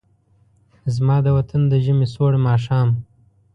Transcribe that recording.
زما د وطن د ژمې سوړ ماښام